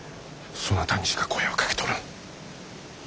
そなたにしか声はかけておらぬ。